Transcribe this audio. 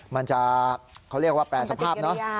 มันจะเขาเรียกว่าแปลสภาพ